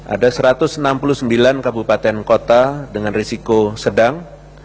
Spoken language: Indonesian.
ada satu ratus enam puluh sembilan kabupaten kota dengan risiko sedang